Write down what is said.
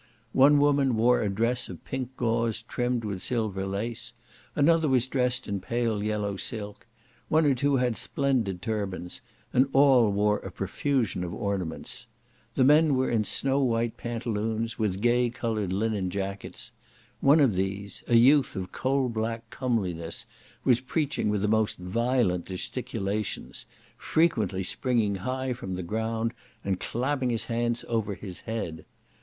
One woman wore a dress of pink gauze trimmed with silver lace; another was dressed in pale yellow silk; one or two had splendid turbans; and all wore a profusion of ornaments. The men were in snow white pantaloons, with gay coloured linen jackets. One of these, a youth of coal black comeliness, was preaching with the most violent gesticulations, frequently springing high from the ground, and clapping his hands over his head.